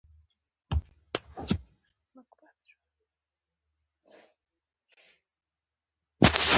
هغه وایی نه مې خاښ شته او نه ځاله